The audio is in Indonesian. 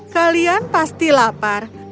kalian pasti lapar